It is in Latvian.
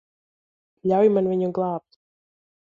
Ļauj man viņu glābt.